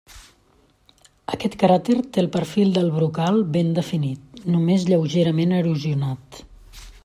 Aquest cràter té el perfil del brocal ben definit, només lleugerament erosionat.